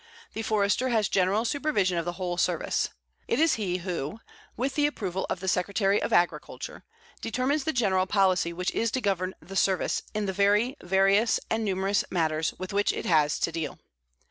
The Forester has general supervision of the whole Service. It is he who, with the approval of the Secretary of Agriculture, determines the general policy which is to govern the Service in the very various and numerous matters with which it has to deal.